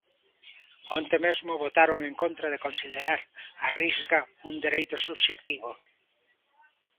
Onte mesmo votaron en contra de considerar a Risga un dereito subxectivo.